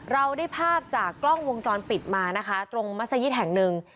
เราได้ภาพจากกล้องวงจรปิดมานะคะตรงมัศยิตแห่งหนึ่ง